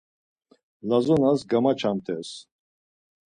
Lazonas gamaçamt̆es.